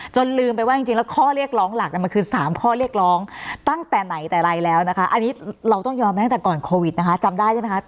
ลืมไปว่าจริงแล้วข้อเรียกร้องหลักมันคือ๓ข้อเรียกร้องตั้งแต่ไหนแต่ไรแล้วนะคะอันนี้เราต้องยอมตั้งแต่ก่อนโควิดนะคะจำได้ใช่ไหมคะ